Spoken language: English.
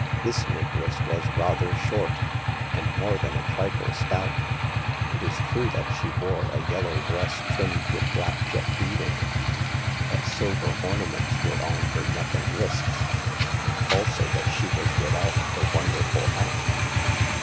This negress was rather short, and more than a trifle stout. It is true that she wore a yellow dress trimmed with black jet beading ; that silver ornaments were on her neck and wrists ; also that she was without the wonderful hat.